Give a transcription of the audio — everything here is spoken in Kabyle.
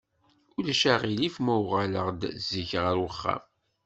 Ulac aɣilif ma uɣaleɣ-d zik ɣer uxxam?